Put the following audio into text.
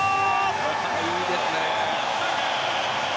いいですね。